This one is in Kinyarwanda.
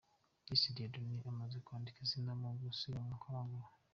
Disi Dieudoné umaze kwandika izina mu gusiganywa ku maguru.